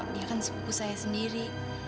dia kan sepuh saya sendiri